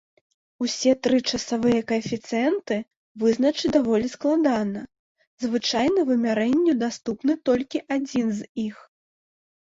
Усе тры часавыя каэфіцыенты вызначыць даволі складана, звычайна вымярэнню даступны толькі адзін з іх.